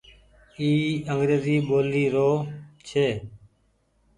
اي انگريزي ٻول رو ڇي۔